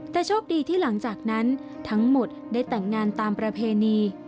แต่โชคดีที่หลังจากนั้นทั้งหมดได้แต่งงานตามประเพณี